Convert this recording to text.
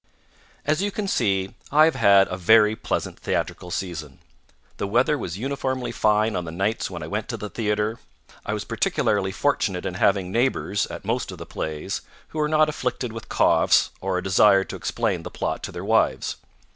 As you can see, I have had a very pleasant theatrical season. The weather was uniformly fine on the nights when I went to the theatre. I was particularly fortunate in having neighbors at most of the plays who were not afflicted with coughs or a desire to explain the plot to their wives.